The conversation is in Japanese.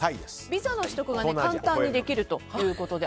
ビザの取得が簡単にできるということで。